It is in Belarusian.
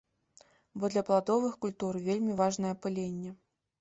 Бо для пладовых культур вельмі важнае апыленне.